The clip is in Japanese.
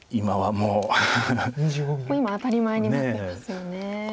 もう今当たり前になってますよね。